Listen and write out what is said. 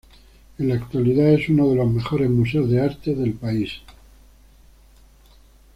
En la actualidad es uno de los mejores museos de arte del país.